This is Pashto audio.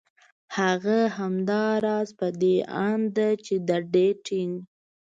هغه همدا راز په دې اند ده چې د ډېټېنګ